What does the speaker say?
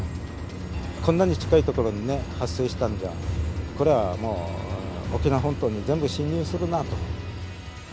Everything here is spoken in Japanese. こんなに近いところにね発生したんじゃこれはもう沖縄本島に全部侵入するなあと。